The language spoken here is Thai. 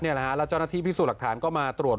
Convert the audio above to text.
เนี่ยแล้วเจ้าหน้าที่พิสูรหักฐานก็มาตรวจ